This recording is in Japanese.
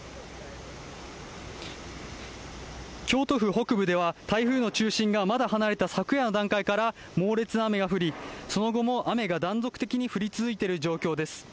京都府北部では、台風の中心がまだ離れた昨夜の段階から、猛烈な雨が降り、その後も雨が断続的に降り続いている状況です。